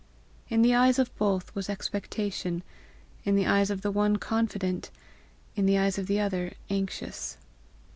In the eyes of both was expectation, in the eyes of the one confident, in the eyes of the other anxious.